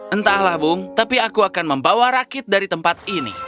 entahlah bung tapi aku akan membawa rakit dari tempat ini